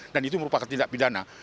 dan itu merupakan tindak pidana